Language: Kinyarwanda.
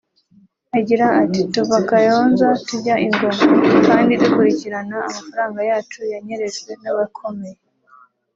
Agira ati “Tuva Kayonza tujya i Ngoma kandi dukurikirana amafaranga yacu yanyerejwe n’abakomeye